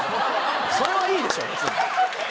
それはいいでしょ。